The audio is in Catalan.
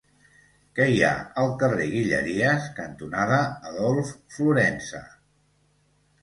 Què hi ha al carrer Guilleries cantonada Adolf Florensa?